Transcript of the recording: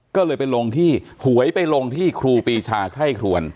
ก็เลยไปลงที่หวยไปลงที่ครูปีชาไคร่ครวน